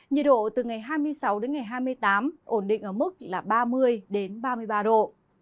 nhiệt độ từ ngày hai mươi sáu đến ngày hai mươi tám ổn định ở mức là ba mươi ba mươi ba độ